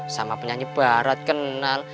sama penyanyi barat kenal